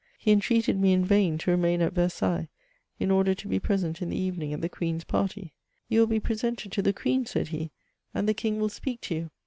He entreated me in vain to remain at Versailles, in order to be present in the eyening at the Queen's party, "You will be presented to the Queen," said he, ''and the King will speak to you."